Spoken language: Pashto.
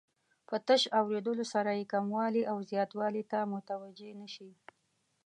په تش اوریدلو سره یې کموالي او زیاتوالي ته متوجه نه شي.